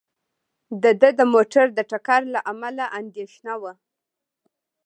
د ده د موټر د ټکر له امله اندېښنه وه.